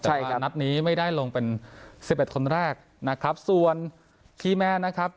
แต่นัดนี้ไม่ได้ลงเป็นสิบเอ็ดคนแรกนะครับส่วนคีย์แมนนะครับ